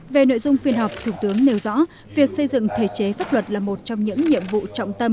về nội dung phiên họp thủ tướng nêu rõ việc xây dựng thể chế pháp luật là một trong những nhiệm vụ trọng tâm